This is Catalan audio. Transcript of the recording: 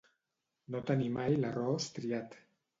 No tenir mai l'arròs triat.